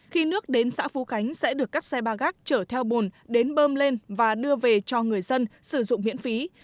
khi nước đến xã phú khánh sẽ được các xe ba gác chở theo bùn đến bơm lên và đưa về cho người dân sử dụng miễn phí